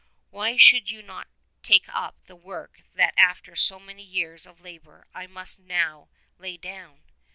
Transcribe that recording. Why should you not take up the work that after so many years of labour I must now lay down?